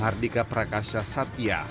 hardika prakasya satya